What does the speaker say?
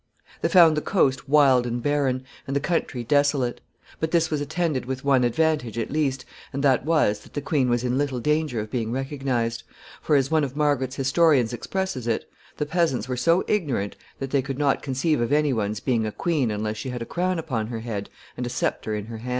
] They found the coast wild and barren, and the country desolate; but this was attended with one advantage at least, and that was that the queen was in little danger of being recognized; for, as one of Margaret's historians expresses it, the peasants were so ignorant that they could not conceive of any one's being a queen unless she had a crown upon her head and a sceptre in her hand.